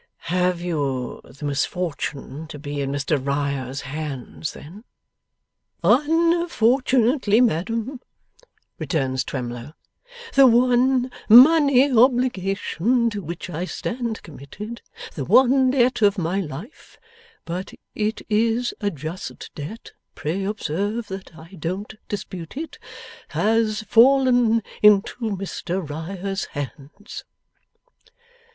'Have you the misfortune to be in Mr Riah's hands then?' 'Unfortunately, madam,' returns Twemlow, 'the one money obligation to which I stand committed, the one debt of my life (but it is a just debt; pray observe that I don't dispute it), has fallen into Mr Riah's hands.